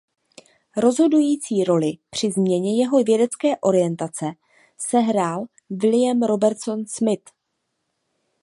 Rozhodující roli při změně jeho vědecké orientace sehrál William Robertson Smith.